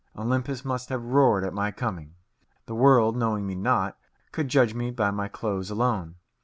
Olympus must have roared at my coming. The world, knowing me not, could judge me by my clothes alone.